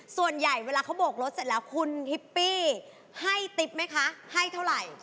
ส่วนใหญ่เวลาเขาโบกรถเสร็จแล้วคุณฮิปปี้ให้ติ๊บไหมคะให้เท่าไหร่